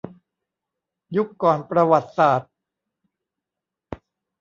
ยุคก่อนประวัติศาสตร์